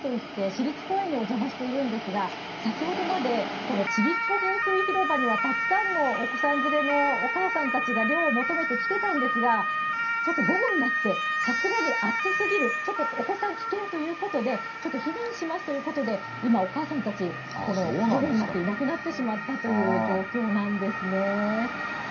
こちら、せいぶ公園といって、市立公園にお邪魔しているんですが、先ほどまで、このちびっこ噴水広場にはたくさんのお子さん連れのお母さんたちが涼を求めて来てたんですが、ちょっと午後になって、さすがに暑すぎる、ちょっとお子さん危険ということで、ちょっと避難しますということで、今、お母さんたち、この午後になって、いなくなってしまったという状況なんですね。